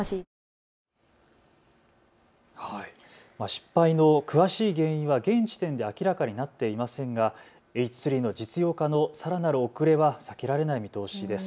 失敗の詳しい原因は現時点で明らかになっていませんがＨ３の実用化のさらなる遅れは避けられない見通しです。